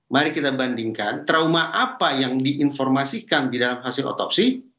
mari kita bandingkan trauma apa yang diinformasikan di dalam hasil otopsi